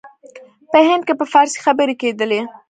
په هند کې په فارسي خبري کېدلې.